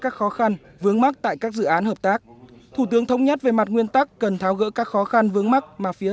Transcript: các khó khăn vướng mắt tại các dự án hợp tác